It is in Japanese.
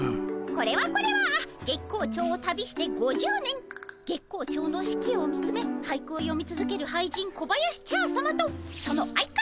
これはこれは月光町を旅して５０年月光町の四季を見つめ俳句をよみつづける俳人小林茶さまとその相方